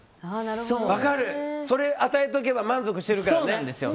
それを与えておけば満足するからね。